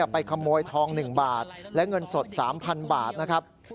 ไปขโมยทอง๑บาทและเงินสด๓๐๐บาทนะครับ